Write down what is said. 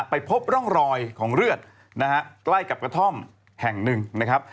ไปพบร่องรอยของเลือดนะฮะใกล้กับกระท่อมแห่งหนึ่งนะครับ